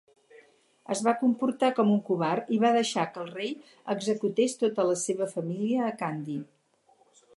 Es va comportar com un covard i va deixar que el rei executés tota la seva família a Kandy.